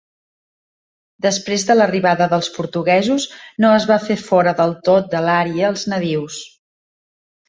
Després de l'arribada dels portuguesos, no es va fer fora del tot de l'àrea als nadius.